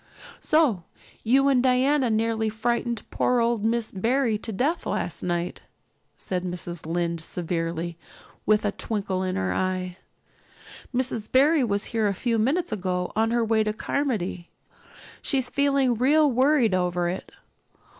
"So you and Diana nearly frightened poor old Miss Barry to death last night?" said Mrs. Lynde severely, but with a twinkle in her eye. "Mrs. Barry was here a few minutes ago on her way to Carmody. She's feeling real worried over it.